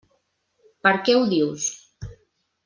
Per què ho dius?